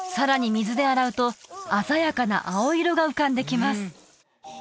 水で洗うと鮮やかな青色が浮かんできます